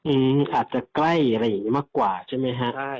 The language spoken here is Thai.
อาจจะใกล้อะไรอย่างนี้มากกว่าใช่ไหมฮะใช่